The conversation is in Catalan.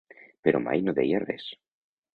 Però mai no deia res.